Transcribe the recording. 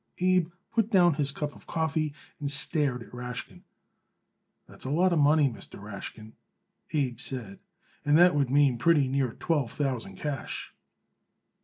Abe put down his cup of coffee and stared at Rashkin. "That's a lot of money, Mr. Rashkin," Abe said, "and that would mean pretty near twelve thousand cash."